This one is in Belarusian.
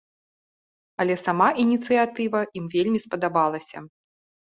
Але сама ініцыятыва ім вельмі спадабалася.